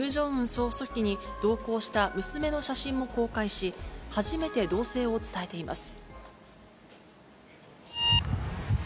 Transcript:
総書記に同行した娘の写真も公開し、初めて動静を伝えています。